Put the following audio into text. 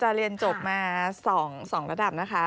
เรียนจบมา๒ระดับนะคะ